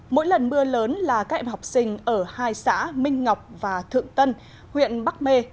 mỗi lần mưa lớn là các em học sinh ở hai xã minh ngọc và thượng tân huyện bắc mê